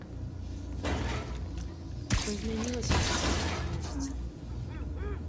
Што змянілася ў беларускай музыцы?